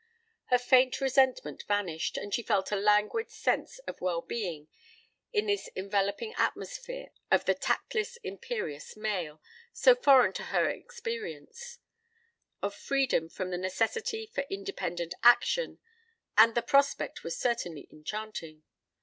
Her faint resentment vanished and she felt a languid sense of well being in this enveloping atmosphere of the tactless imperious male, so foreign to her experience; of freedom from the necessity for independent action; and the prospect was certainly enchanting.